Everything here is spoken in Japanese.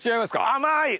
甘い！